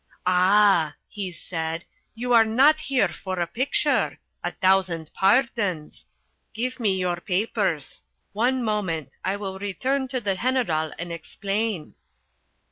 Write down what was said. "Ah!" he said. "You are not here for a picture. A thousand pardons. Give me your papers. One moment I will return to the General and explain."